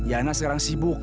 ya'nah sekarang sibuk